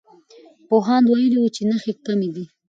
پوهاند ویلي وو چې نښې کمي دي.